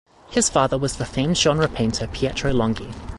His father was the famed genre painter Pietro Longhi.